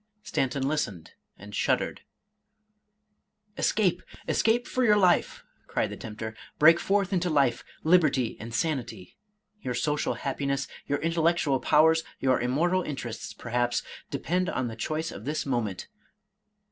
" Stanton listened, and shuddered " Escape — escape for your life," cried the tempter ;" break forth into life, liberty, and sanity. Your social happiness, your intellectual powers, your immortal interests, perhaps, depend on the choice of this moment.